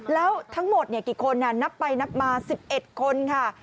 แล้วทั้งหมดกี่คนนับไปนับมา๑๑คนค่ะ